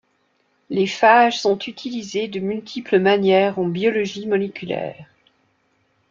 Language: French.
Les phages sont utilisés de multiples manières en biologie moléculaire.